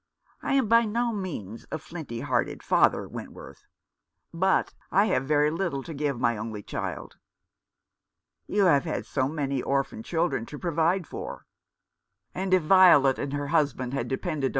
I am by no means a flinty hearted father, Wentworth. But I have very little to give my only child." "You have had so many orphan children to provide for." " And if Violet and her husband had depended